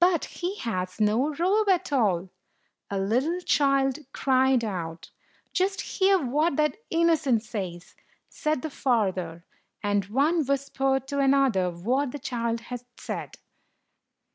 "But he has no robe at all!" a little child cried out. "Just hear what that innocent says!" said the father; and one whispered to another what the child had said.